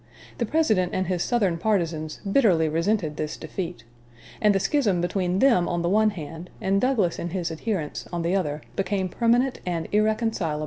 The President and his Southern partizans bitterly resented this defeat; and the schism between them, on the one hand, and Douglas and his adherents, on the other, became permanent and irreconcilable.